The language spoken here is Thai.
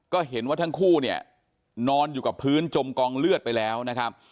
ก็เห็นว่าทั้งคู่เนี่ยนอนอยู่กับพื้นจมกองเลือดไปแล้วนะครับ